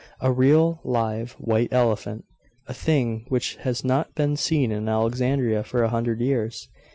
'A real, live, white elephant; a thing which has not been seen in Alexandria for a hundred years!